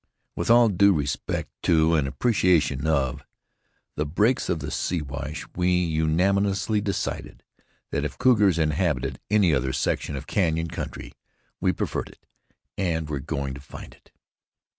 With all due respect to, and appreciation of, the breaks of the Siwash, we unanimously decided that if cougars inhabited any other section of canyon country, we preferred it, and were going to find it.